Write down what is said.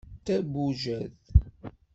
D tabujadt.